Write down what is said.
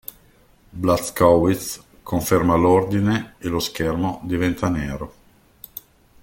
Blazkowicz conferma l'ordine, e lo schermo diventa nero.